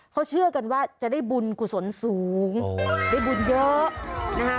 เขาเชื่อกันว่าจะได้บุญกุศลสูงได้บุญเยอะนะคะ